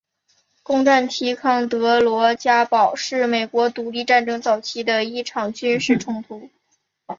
攻占提康德罗加堡是美国独立战争早期的一场军事冲突。